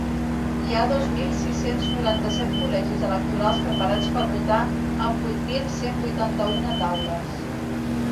Hi ha dos mil sis-cents noranta-set col·legis electorals preparats per votar, amb vuit mil cent vuitanta-una taules.